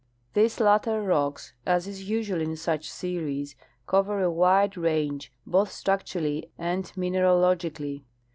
These latter rocks, as is usual in such series, cover a wide range, both structurally and mineralogically.